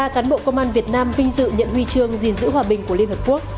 ba cán bộ công an việt nam vinh dự nhận huy chương gìn giữ hòa bình của liên hợp quốc